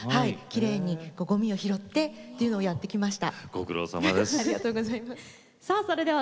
きれいに、ごみを拾ってっていうのをやってきました。